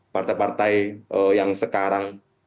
partai partai yang sekarang